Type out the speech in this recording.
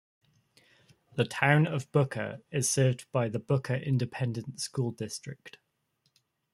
The Town of Booker is served by the Booker Independent School District.